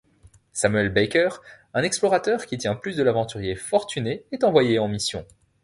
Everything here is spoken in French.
Samuel Baker, un explorateur qui tient plus de l'aventurier fortuné, est envoyé en mission.